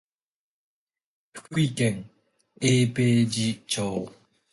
福井県永平寺町